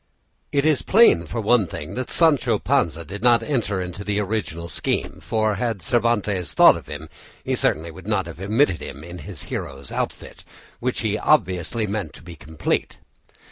It is plain, for one thing, that Sancho Panza did not enter into the original scheme, for had Cervantes thought of him he certainly would not have omitted him in his hero's outfit, which he obviously meant to be complete.